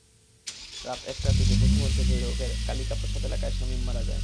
রাত একটার দিকে পথিমধ্যে ভৈরবের কালিকা প্রসাদ এলাকায় শামীম মারা যান।